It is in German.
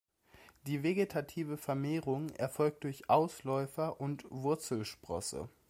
Die Vegetative Vermehrung erfolgt durch Ausläufer und Wurzelsprosse.